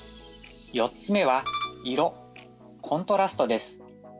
４つ目は色コントラストです。